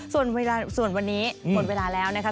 ส่วนวันนี้หมดเวลาแล้วนะคะ